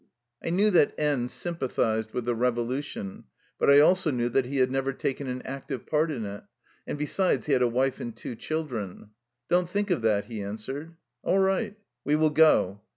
I knew that N sympathized with the revolution, but I also knew that he had never taken an active part in it, and besides he had a wife and two children. " Don't think of that/' he answered. "All right, we will go."